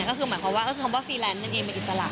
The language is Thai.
ก็คือหมายความว่าฟรีแลนด์กันเองมันอิสระ